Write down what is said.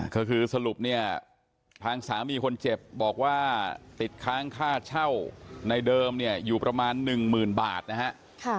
ก็คือสรุปเนี่ยทางสามีคนเจ็บบอกว่าติดค้างค่าเช่าในเดิมเนี่ยอยู่ประมาณ๑หมื่นบาทนะฮะ